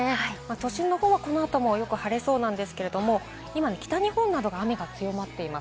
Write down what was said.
都心は、この後もよく晴れそうなんですけれども、今、北日本などが雨が強まっています。